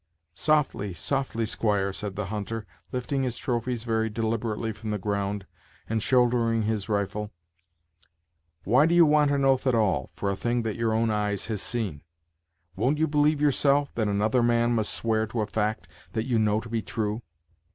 "Softly, softly, squire," said the hunter, lifting his trophies very deliberately from the ground, and shouldering his rifle; "why do you want an oath at all, for a thing that your own eyes has seen? Won't you believe yourself, that another man must swear to a fact that you know to be true?